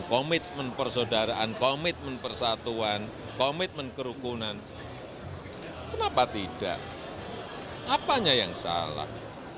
komitmen persaudaraan komitmen persatuan komitmen kerukunan kenapa tidak apanya yang salah